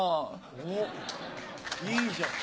おっいいじゃん。